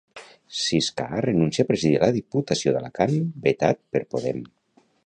Ciscar renuncia a presidir la Diputació d'Alacant vetat per Podem.